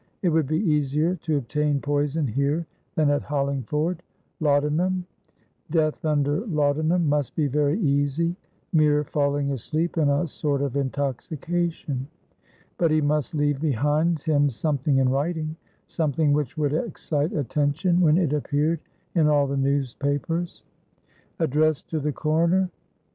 It would be easier to obtain poison here than at Hollingford. Laudanum? Death under laudanum must be very easy, mere falling asleep in a sort of intoxication. But he must leave behind him something in writing, something which would excite attention when it appeared in all the newspapers. Addressed to the coroner?